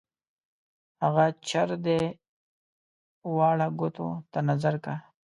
هغه چر دی واړه ګوتو ته نظر کا.